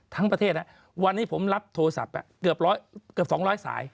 ทั้งประเทศวันนี้ผมรับโทรศัพท์เกือบ๒๐๐สาย